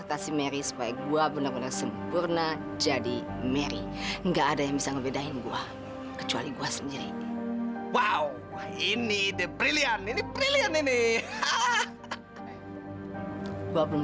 sampai jumpa di video selanjutnya